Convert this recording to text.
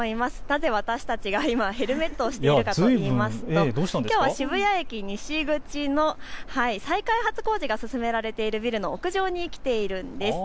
なぜ私たちが今、ヘルメットをしているかというときょうは渋谷駅西口の再開発工事が進められているビルの屋上に来ているんです。